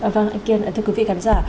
vâng anh kiên thưa quý vị cảm giả